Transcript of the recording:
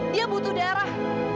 dia butuh darah